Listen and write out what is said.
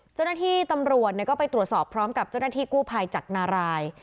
เจ้าหน้าที่ตำรวจก็ไปตรวจสอบพร้อมกับเจ้าหน้าที่กู้ภัยจากนาราย